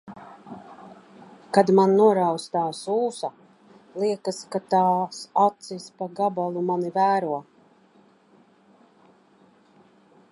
Kad man noraustās ūsa. Liekas, ka tās acis pa gabalu mani vēro.